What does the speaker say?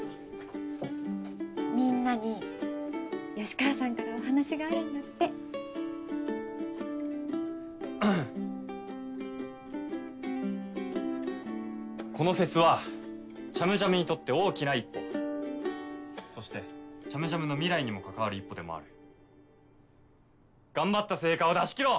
みんなに吉川さんからお話があるんだってこのフェスはＣｈａｍＪａｍにとって大きな一歩そしてＣｈａｍＪａｍの未来にも関わる一歩でもある頑張った成果を出し切ろう！